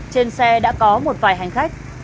trên xe đã có một vài hành khách